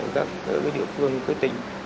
các địa phương cơ tỉnh